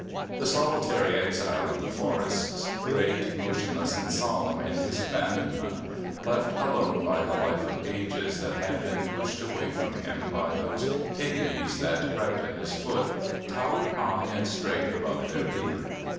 The solitary exile of the forests great, motionless and solemn in his abandonment, left alone by the life of ages that had been pushed away from him by those pigmies that crept at his foot, towered high and straight above their leader.